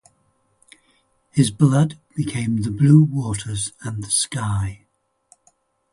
His blood became the blue waters and the sky.